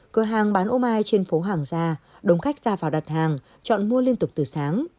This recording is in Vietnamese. cửa hàng bán ô mai trên phố hàng gia đông khách ra vào đặt hàng chọn mua liên tục từ sáng